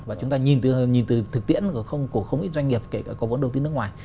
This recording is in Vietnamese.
và chúng ta nhìn từ thực tiễn của không ít doanh nghiệp kể cả có vốn đầu tư nước ngoài